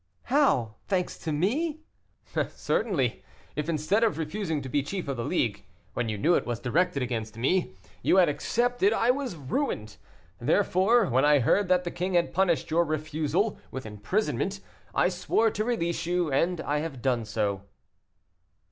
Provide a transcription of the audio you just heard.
"How! thanks to me?" "Certainly. If, instead of refusing to be chief of the League, when you knew it was directed against me, you had accepted, I was ruined. Therefore, when I heard that the king had punished your refusal with imprisonment, I swore to release you, and I have done so."